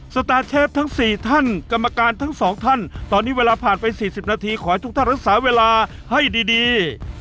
สตาร์เชฟทั้ง๔ท่านกรรมการทั้งสองท่านตอนนี้เวลาผ่านไป๔๐นาทีขอให้ทุกท่านรักษาเวลาให้ดี